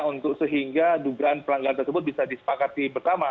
untuk sehingga dugaan pelanggaran tersebut bisa disepakati bersama